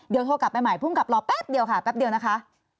เดี๋ยวโทรกลับใหม่หรือก็หลอกแป๊บเดียวนะคะ